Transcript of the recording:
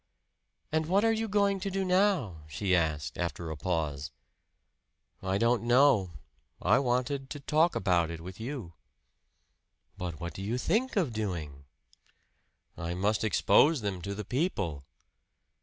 "And what are you going to do now?" she asked after a pause. "I don't know. I wanted to talk about it with you." "But what do you think of doing?" "I must expose them to the people."